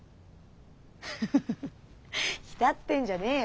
フフフフフ浸ってんじゃねえよ。